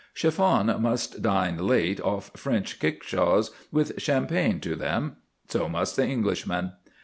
Chiffon must dine late off French kickshaws with champagne to them: so must the Englishman.